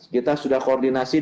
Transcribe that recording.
kita sudah koordinasikan